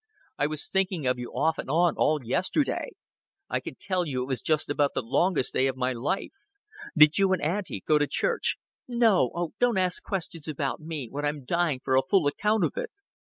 I was thinking of you off and on all yesterday. I can tell you it was just about the longest day of my life. Did you and Auntie go to church?" "No. Oh, don't ask questions about me when I'm dying for a full account of it."